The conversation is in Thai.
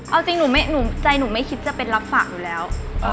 เอาจริงหนูใจหนูไม่คิดจะเป็นรับฝากอยู่แล้ว